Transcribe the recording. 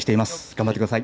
頑張ってください。